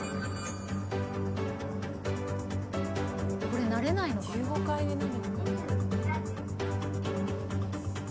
これ慣れないのかな？